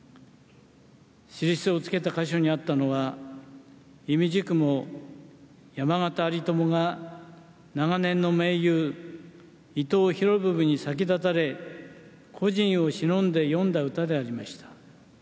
印をつけた個所にあったのはいみじくも山縣有朋が長年の盟友、伊藤博文に先立たれ故人をしのんで詠んだ歌でありました。